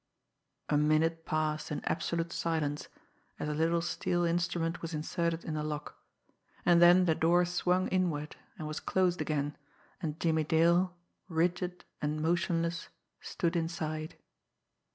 A minute passed in absolute silence, as a little steel instrument was inserted in the lock and then the door swung inward and was dosed again, and Jimmie Dale, rigid and motionless, stood inside.